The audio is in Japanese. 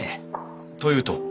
というと？